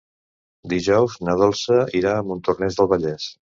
Dijous na Dolça anirà a Montornès del Vallès.